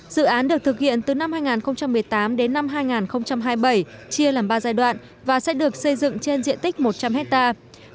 dự án được thực hiện từ năm hai nghìn một mươi tám đến năm hai nghìn hai mươi bảy chia làm ba giai đoạn và sẽ được xây dựng trên diện tích một trăm linh hectare